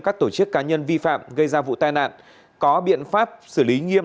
các tổ chức cá nhân vi phạm gây ra vụ tai nạn có biện pháp xử lý nghiêm